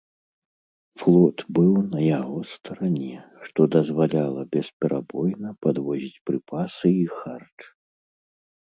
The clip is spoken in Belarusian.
Флот быў на яго старане, што дазваляла бесперабойна падвозіць прыпасы і харч.